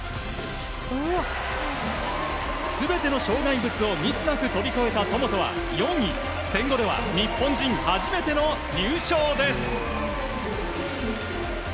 全ての障害物をミスなく跳び越えた戸本は４位、戦後では日本人初めての入賞です。